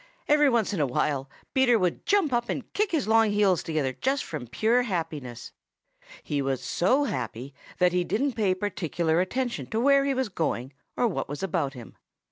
Every once in a while Peter would jump up and kick his long heels together just from pure happiness. He was so happy that he didn't pay particular attention to where he was going or what was about him.